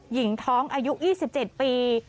หญิงท้องอายุ๒๗ปี